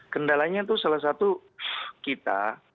kendalanya itu salah satu kita